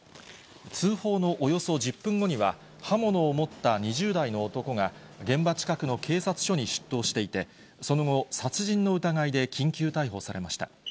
通報のおよそ１０分後には、刃物を持った２０代の男が、現場近くの警察署に出頭していて、その後、殺人の疑いで緊急逮捕されました。